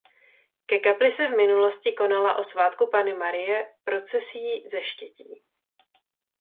Ke kapli se v minulosti konala o svátku Panny Marie procesí ze Štětí.